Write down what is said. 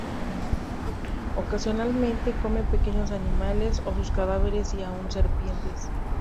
Ocasionalmente, come pequeños animales o sus cadáveres y aún serpientes.